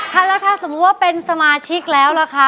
ถ้าแล้วถ้าสมมุติว่าเป็นสมาชิกแล้วล่ะค่ะ